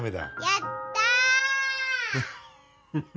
やった